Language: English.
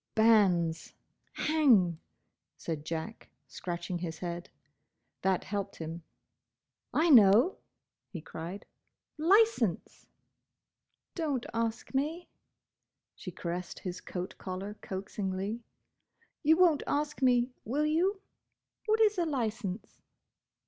"Banns—! Hang!" said Jack, scratching his head. That helped him. "I know!" he cried, "Licence!" "Don't ask me!" She caressed his coat collar coaxingly. "You won't ask me, will you? What is a licence?"